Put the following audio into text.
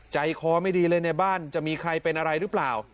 ใจคอไม่ดีเลยในบ้านจะมีใครเป็นอะไรหรือเปล่า